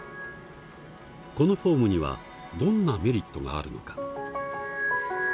このフォームにはどんなメリットがあるのか。